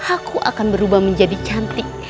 aku akan berubah menjadi cantik